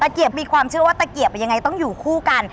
เกียบมีความเชื่อว่าตะเกียบยังไงต้องอยู่คู่กัน